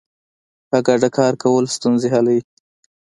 په ګډه کار کول ستونزې حلوي.